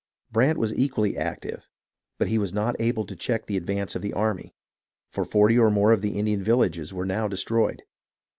Brant was equally active, but he was not able to check the advance of the army ; for forty or more of the Indian villages were now destroyed.